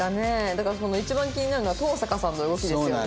だから一番気になるのは東坂さんの動きですよね。